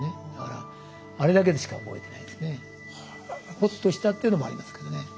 ほっとしたっていうのもありますけどね。